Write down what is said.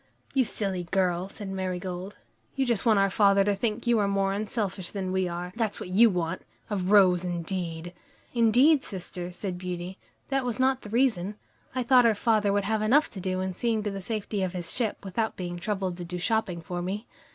"You silly girl," said Marigold, "you just want our father to think you are more unselfish than we are that's what you want! A rose, indeed!" "Indeed, sister," said Beauty, "that was not the reason. I thought our father would have enough to do in seeing to the safety of his ship, without being troubled to do shopping for me."